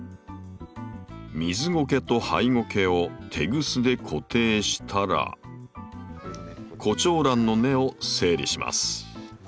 水ゴケとハイゴケをテグスで固定したらコチョウランの根を整理します。